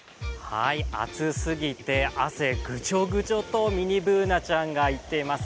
暑すぎて、汗ぐちょぐちょとミニＢｏｏｎａちゃんが言っています。